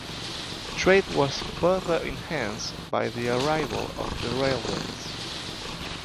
Trade was further enhanced by the arrival of the railways.